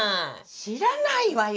知らないわよ！